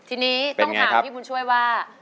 ทีนี้ต้องถามพี่บุญช่วยว่า